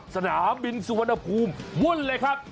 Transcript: สนามบินสุวรรณภูมิวุ่นเลยครับ